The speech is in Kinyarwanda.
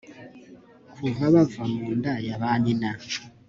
kuva bava mu nda ya ba nyina